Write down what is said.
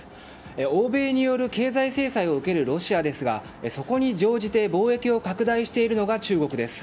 欧米による経済制裁を受けるロシアですがそこに乗じて貿易を拡大しているのが中国です。